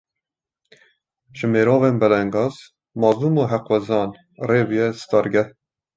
Ji merivên belengaz, mezlum û heqxwazan re bûye stargeh